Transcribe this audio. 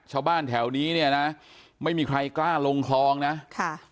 ชาวบ้านแถวนี้เนี่ยนะไม่มีใครกล้าลงคลองนะค่ะ